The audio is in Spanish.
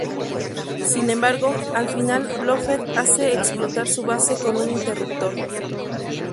Sin embargo, al final Blofeld hace explotar su base con un interruptor.